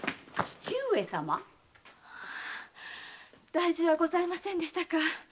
大事はございませんでしたか。